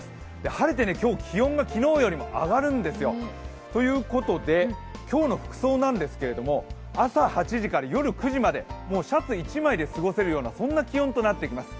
晴れて、気温が昨日よりも上がるんですよ。ということで今日の服装なんですけれども、朝８時から夜９時までシャツ１枚で過ごせるようなそんな気温となってきます。